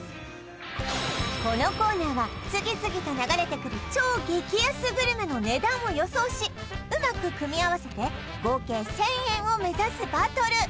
このコーナーは次々と流れてくる超激安グルメの値段を予想しうまく組み合わせて合計１０００円を目指すバトル